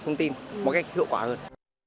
thông tin một cách hiệu quả hơn